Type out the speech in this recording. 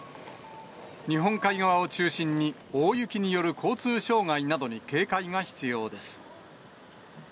日本海側を中心に大雪による交通障害などに警戒が必要です。